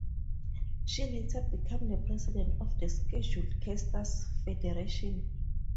She later became the president of the Scheduled Castes Federation.